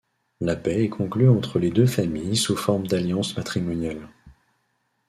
La paix est conclue entre les deux familles sous forme d'alliances matrimoniales.